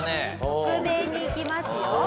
北米に行きますよ。